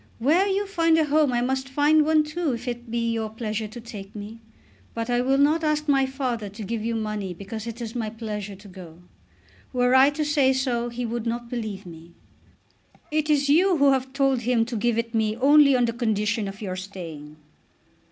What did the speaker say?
Where you find a home I must find one too if it be your pleasure to take me. But I will not ask my father to give you money because it is my pleasure to go. Were I to say so he would not believe me." "It is you who have told him to give it me only on the condition of your staying."